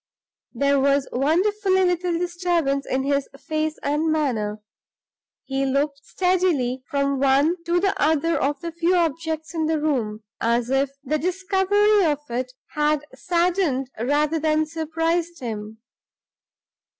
There was wonderfully little disturbance in his face and manner; he looked steadily from one to the other of the few objects in the room, as if the discovery of it had saddened rather than surprised him.